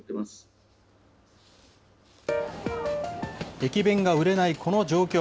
駅弁が売れないこの状況。